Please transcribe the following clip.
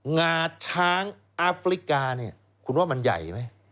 งาช้างอาฟริกาเนี่ยคุณว่ามันใหญ่ไหม